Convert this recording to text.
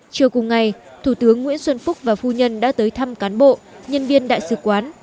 chiều cùng ngày thủ tướng nguyễn xuân phúc và phu nhân đã tới thăm cán bộ nhân viên đại sứ quán